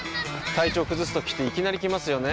体調崩すときっていきなり来ますよね。